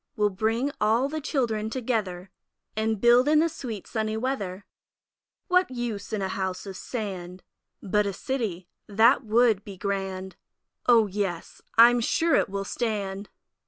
We'll bring all the Children together And build in the sweet sunny weather. What use in a House of Sand? But a City that would be grand! O yes, I am sure it will stand!